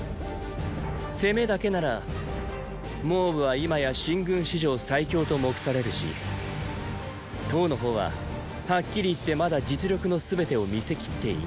攻めだけなら蒙武は今や秦軍史上最強と目されるし騰の方ははっきり言ってまだ実力の全てを見せきっていない。